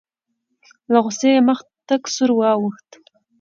له غوسې یې مخ تک سور واوښت.